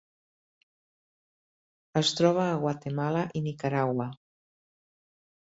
Es troba a Guatemala i Nicaragua.